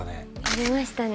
ありましたね